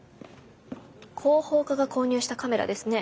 広報課が購入したカメラですね。